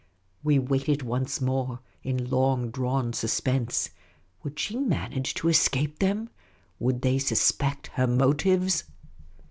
We waited once more, in long drawn suspense. Would she manage to escape them ? Would they suspect her motives